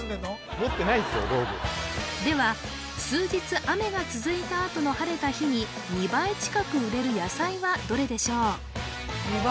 持ってないですよローブでは数日雨が続いたあとの晴れた日に２倍近く売れる野菜はどれでしょう